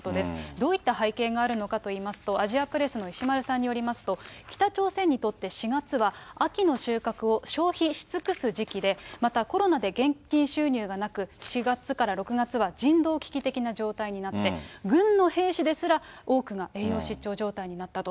どういった背景があるのかといいますと、アジアプレスの石丸さんによりますと、北朝鮮にとって４月は、秋の収穫を消費し尽くす時期で、またコロナで現金収入がなく、４月から６月は人道危機的な状況になって、軍の兵士ですら、多く栄養失調状態になったと。